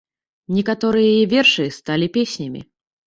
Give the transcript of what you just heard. Некаторыя яе вершы сталі песнямі.